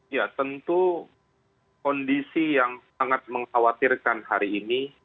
ya tentu kondisi yang sangat mengkhawatirkan hari ini